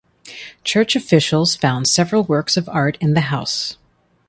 Church officials found several works of art in the house.